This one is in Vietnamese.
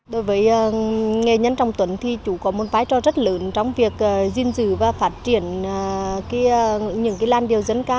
đối với nghệ nhân trọng tuấn thì chủ có một vai trò rất lớn trong việc gìn giữ và phát triển những cái làn điệu dân ca